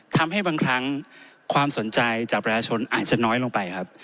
ทำให้บางครั้งความสนใจจากประชาชนอาจจะน้อยลงไปครับ